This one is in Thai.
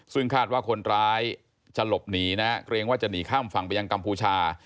ซึ่งคาดว่าคนร้ายจะหลบหนีนะเกรงว่าจะหนีข้ามฝั่งไปยังกัมพูชา